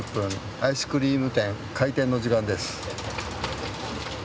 アイスクリーム店開店の時間です。